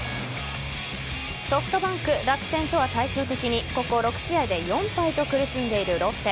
ソフトバンク、楽天とは対照的にここ６試合で４敗と苦しんでいるロッテ。